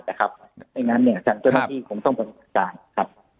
ดังนั้นเนี่ยทางเจ้าหน้าที่ผมต้องประกาศการครับ